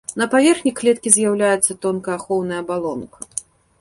На паверхні клеткі з'яўляецца тонкая ахоўная абалонка.